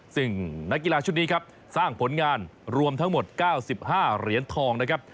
ซึ่งนักกีฬาชุดนี้ครับสร้างผลงานรวมทั้งหมด๙๕เหรียญทองนะครับ